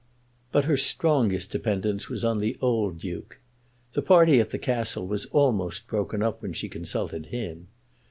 But her strongest dependence was on the old Duke. The party at the Castle was almost broken up when she consulted him.